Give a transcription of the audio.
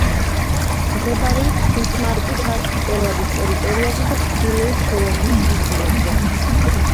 მდებარეობს ბისმარკის არქიპელაგის ტერიტორიაზე და ჩრდილოეთ სოლომონის კუნძულებზე.